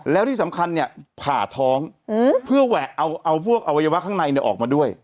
แล้วที่สำคัญเนี่ยผ่าท้องเพื่อแหวะเอาพวกอวัยวะข้างในออกมาด้วย